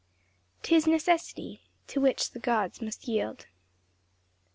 "'Tis necessity, To which the gods must yield."